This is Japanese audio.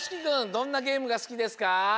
どんなゲームがすきですか？